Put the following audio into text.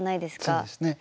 そうですね。